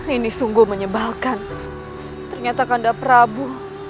ini sungguh menyebalkan ternyata kandap prabu